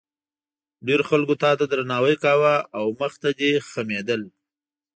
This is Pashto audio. ډېرو خلکو تا ته درناوی کاوه او مخې ته دې خمېدل.